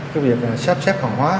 cái việc xếp xếp hoàn hóa